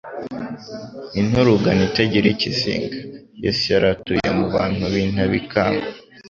Inturugane itagira ikizinga, Yesu yari atuye mu bantu b'intabikangwa,